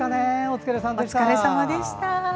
お疲れさまでした。